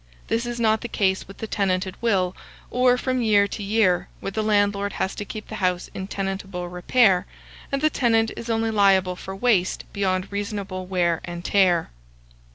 This is not the case with the tenant at will, or from year to year, where the landlord has to keep the house in tenantable repair, and the tenant is only liable for waste beyond reasonable wear and tear.